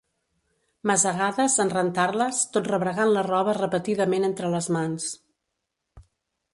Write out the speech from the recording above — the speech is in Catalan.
Masegades, en rentar-les, tot rebregant la roba repetidament entre les mans.